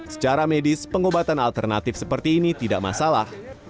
secara medis pengobatan alternatif seperti ini tidak masalah